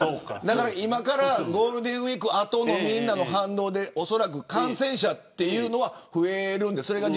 今からゴールデンウイーク後のみんなの反応で恐らく感染者というのは増えるんです。